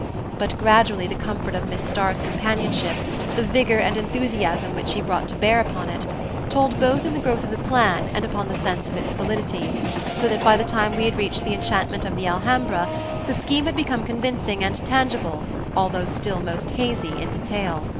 But gradually the comfort of Miss Starr's companionship, the vigor and enthusiasm which she brought to bear upon it, told both in the growth of the plan and upon the sense of its validity, so that by the time we had reached the enchantment of the Alhambra, the scheme had become convincing and tangible although still most hazy in detail.